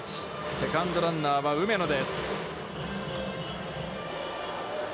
セカンドランナーは梅野です。